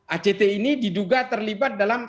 act ini diduga terlibat dalam